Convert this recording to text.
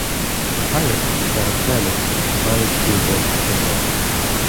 The pilot, Stan Fleming, managed to abort the take-off.